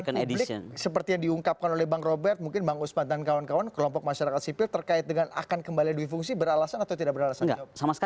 publik seperti yang diungkapkan oleh bang robert mungkin bang usman dan kawan kawan kelompok masyarakat sipil terkait dengan akan kembali duifungsi beralasan atau tidak beralasan